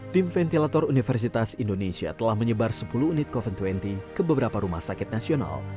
tim ventilator universitas indonesia telah menyebar sepuluh unit coven dua puluh ke beberapa rumah sakit nasional